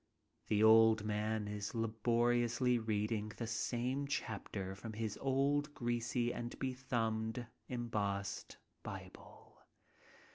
The old man is laboriously reading the same chapter from his old, greasy, and bethumbed embossed bible.